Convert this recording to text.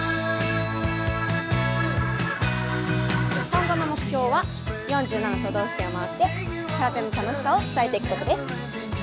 今後の目標は４７都道府県を回って空手の楽しさを伝えていくことです。